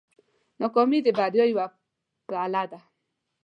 ناکامي د بریا یوه پله ده.